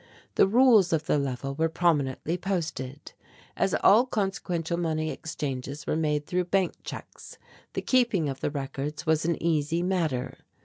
The rules of the level were prominently posted. As all consequential money exchanges were made through bank checks, the keeping of the records was an easy matter.